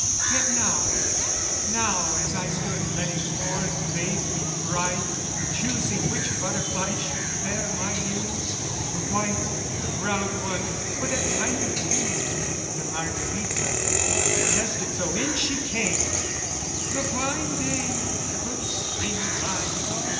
yet now, Now, as I stood letting morn bathe me bright, Choosing which butterfly should bear my news, The white, the brown one, or that tinier blue, The Margherita, I detested so, In she came "The fine day, the good Spring time!